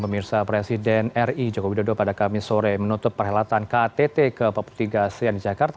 pemirsa presiden ri jokowi dodo pada kamis sore menutup perhelatan ktt ke empat puluh tiga asean di jakarta